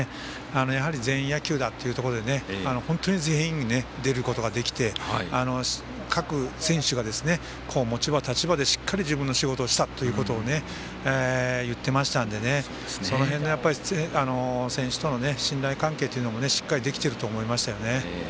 やはり全員野球だっていうことで本当に全員が出ることができて各選手が、持ち場、立ち場でしっかり自分の仕事をしたっていうことを言っていましたのでその辺の選手との信頼関係というのもしっかりできてると思いました。